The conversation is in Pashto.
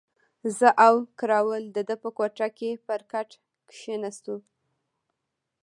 زه او کراول د ده په کوټه کې پر کټ کښېناستو.